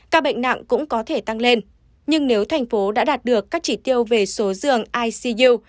ca bệnh nặng cũng có thể tăng lên nhưng nếu thành phố đã đạt được các chỉ tiêu về số giường icu